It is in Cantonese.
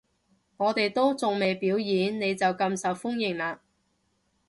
我哋都仲未表演，你就咁受歡迎喇